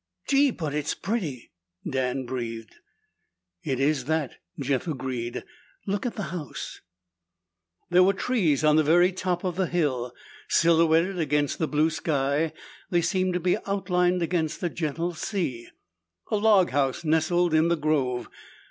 "Gee but it's pretty!" Dan breathed. "It is that," Jeff agreed. "Look at the house." There were trees on the very top of the hill. Silhouetted against the blue sky, they seemed to be outlined against a gentle sea. A log house nestled in the grove.